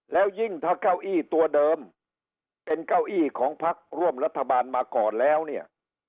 แล้วยิ่งถ้าเก้าอี้ตัวเดิมเป็นเก้าอี้ของพักร่วมรัฐบาลมาก่อนแล้วเนี่ย